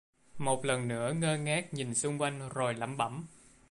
Một lần nữa ngơ ngác nhìn xung quanh rồi lẩm bẩm